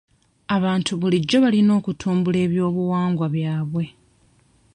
Abantu bulijjo balina okutumbula ebyobuwangwa byabwe.